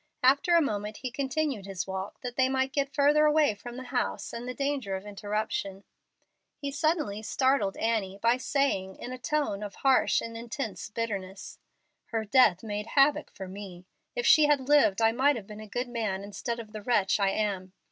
After a moment he continued his walk, that they might get further away from the house and the danger of interruption. He suddenly startled Annie by saying, in a tone of harsh and intense bitterness, "Her death made 'havoc' for me. If she had lived I might have been a good man instead of the wretch I am.